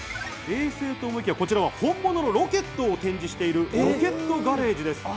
衛星と思いきや、こちらは本物のロケットを展示しているロケットガレージです。